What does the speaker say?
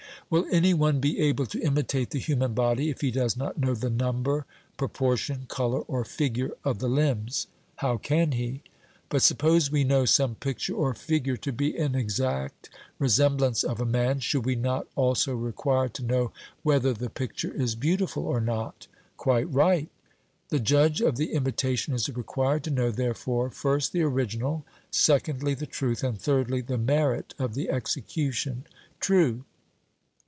Will any one be able to imitate the human body, if he does not know the number, proportion, colour, or figure of the limbs? 'How can he?' But suppose we know some picture or figure to be an exact resemblance of a man, should we not also require to know whether the picture is beautiful or not? 'Quite right.' The judge of the imitation is required to know, therefore, first the original, secondly the truth, and thirdly the merit of the execution? 'True.'